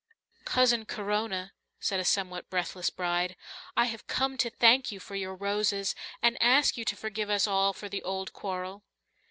"Cousin Corona," said a somewhat breathless bride, "I have come to thank you for your roses and ask you to forgive us all for the old quarrel."